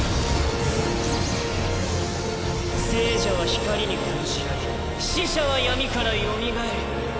生者は光に封じられ死者は闇からよみがえる。